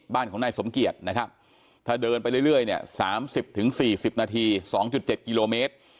บ้านของนายสมเกียจนะครับถ้าเดินไปเรื่อยเนี่ย๓๐๔๐นาที๒๗กิโลเมตร